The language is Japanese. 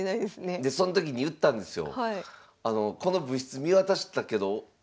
でその時に言ったんですよ。